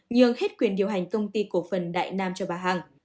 nhường hết quyền điều hành công ty cổ phần đại nam cho bà hằng